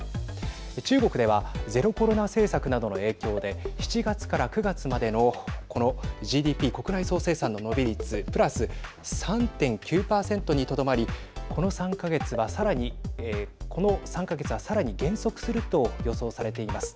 中国ではゼロコロナ政策などの影響で７月から９月までのこのＧＤＰ＝国内総生産の伸び率プラス３．９％にとどまりこの３か月は、さらに減速すると予想されています。